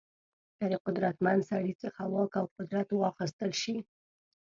که د قدرتمن سړي څخه واک او قدرت واخیستل شي.